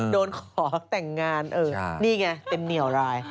ขอแต่งงานนี่ไงเต็มเหนียวราย